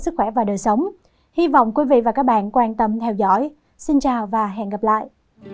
cảm ơn các bạn đã theo dõi và hẹn gặp lại